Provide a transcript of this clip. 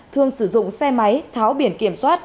thường sử dụng xe máy tháo biển kiểm soát